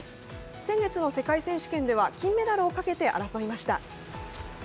先月の世界選手権では金メダルを懸けて争いました。